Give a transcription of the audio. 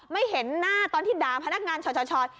ไม่เห็นหน้าตอนที่ด่าพนักงานช่อ